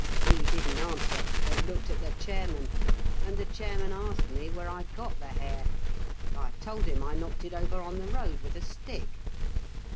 "He didn't answer, but looked at the chairman, and the chairman asked me where I got the hare. I told him I knocked it over on the road with a stick.